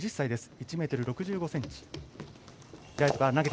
１ｍ６５ｃｍ。